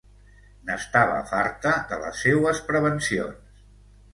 N'estava farta, de les seues prevencions.